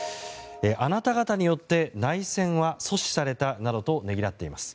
あなた方によって内戦は阻止されたなどとねぎらっています。